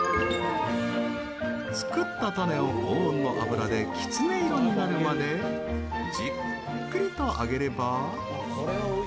作ったタネを高温の油でキツネ色になるまでじっくりと揚げれば。